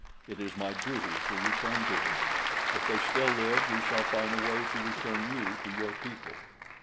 It is my duty to return to them. If they still live we shall find a way to return you to your people."